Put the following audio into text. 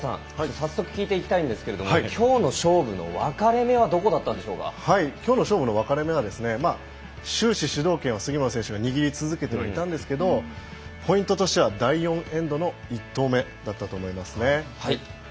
早速聞いていきたいんですけどきょうの勝負の分かれ目はきょうの勝負のわかれ目は終始、主導権は杉村選手が握り続けていたんですがポイントとしては第４エンドの１投目だったと思います。